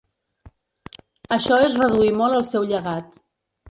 Això és reduir molt el seu llegat.